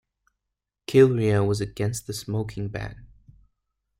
Kilrea was against the smoking ban.